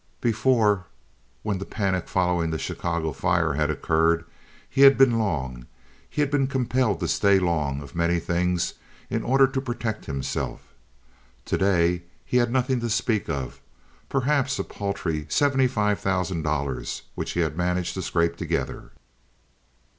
Before, when the panic following the Chicago fire had occurred, he had been long—had been compelled to stay long of many things in order to protect himself. To day he had nothing to speak of—perhaps a paltry seventy five thousand dollars which he had managed to scrape together.